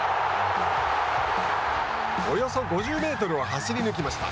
およそ５０メートルを走り抜きました。